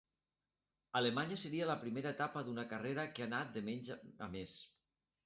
Alemanya seria la primera etapa d'una carrera que ha anat de menys a més.